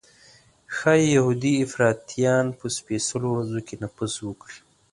ښایي یهودي افراطیان په سپېڅلو ورځو کې نفوذ وکړي.